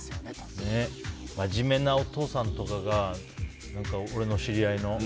真面目なお父さんとかが俺の知り合いの。